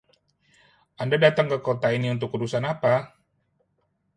Anda datang ke kota ini untuk urusan apa?